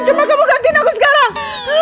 coba kamu gantiin aku sekarang